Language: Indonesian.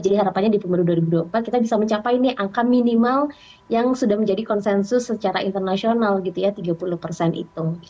jadi harapannya di pemilu dua ribu dua puluh empat kita bisa mencapai nih angka minimal yang sudah menjadi konsensus secara internasional gitu ya tiga puluh persen itu